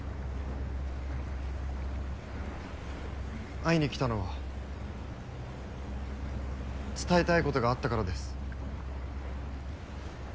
会いに来たのは伝えたいことがあったからです。